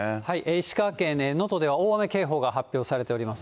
石川県の能登では大雨警報が発表されております。